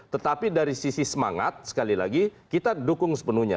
tetapi dari sisi semangat sekali lagi kita dukung sepenuhnya